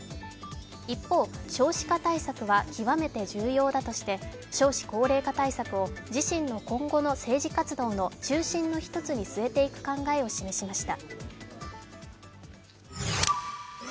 一方、少子化対策は極めて重要だとして少子高齢化対策を自身の今後の政治活動の中心の１つに据えていく考えを示しました。